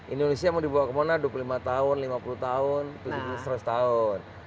indonesia mau dibawa ke mana dua puluh lima tahun lima puluh tahun tujuh ratus tahun